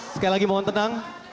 sekali lagi mohon tenang